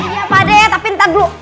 iya pade tapi ntar dulu